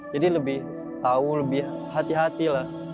jadi lebih tahu lebih hati hati lah